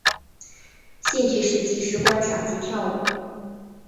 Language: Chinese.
兴趣是即时观赏及跳舞。